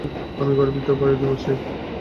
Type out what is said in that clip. আমি গর্বিত ভারতীয় মুসলিম।